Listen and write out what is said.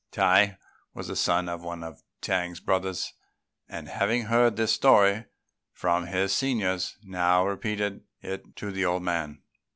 Tai was a son of one of T'ang's brothers, and having heard this story from his seniors, now repeated it to the old man.